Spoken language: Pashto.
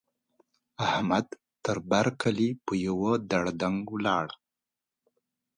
احمد؛ تر بر کلي په يوه دړدنګ ولاړ.